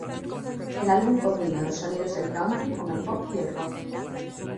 El álbum combina los sonidos del country con el pop y el rock.